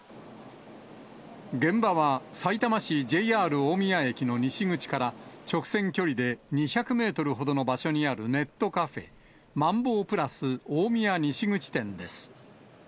現場はさいたま市、ＪＲ大宮駅の西口から、直線距離で２００メートルほどの場所にあるネットカフェ、マンボープラス大宮西口店です。